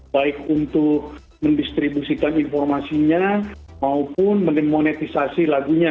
baik untuk mendistribusikan informasinya maupun mendemonetisasi lagunya